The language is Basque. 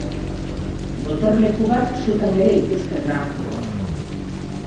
Gotorleku bat sutan ere ikusten da.